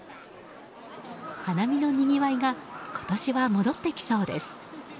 花見の賑わいが今年は戻ってきそうです。